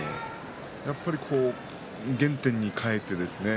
やっぱり原点に返ってですね